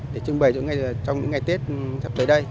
để trưng bày cho ngôi nhà mình những ngày tết